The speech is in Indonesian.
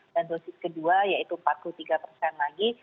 dan dosis kedua yaitu empat puluh tiga lagi